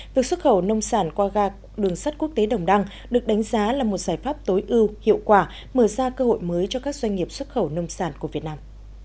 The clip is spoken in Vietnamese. việc xuất khẩu nông sản qua ga đường sắt quốc tế đồng đăng được đánh giá là một giải pháp tối ưu hiệu quả mở ra cơ hội mới cho các doanh nghiệp xuất khẩu nông sản của việt nam